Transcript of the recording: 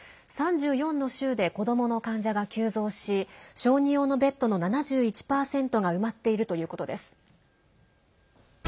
３４の州で子どもの患者が急増し小児用のベッドの７１％が埋まっているということです。